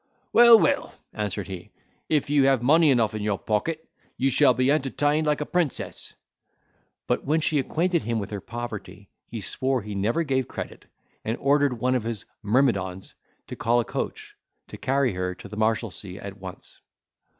"Well, well," answered he, "if you have money enough in your pocket, you shall be entertained like a princess." But when she acquainted him with her poverty, he swore he never gave credit, and ordered one of his myrmidons to call a coach, to carry her to the Marshalsea at once.